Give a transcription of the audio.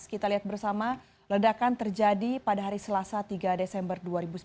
kita lihat bersama ledakan terjadi pada hari selasa tiga desember dua ribu sembilan belas